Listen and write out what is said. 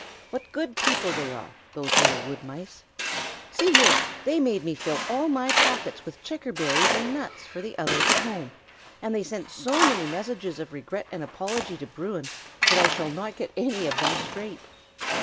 What good people they are, those little woodmice. See here! they made me fill all my pockets with checkerberries and nuts for the others at home, and they sent so many messages of regret and apology to Bruin that I shall not get any of them straight."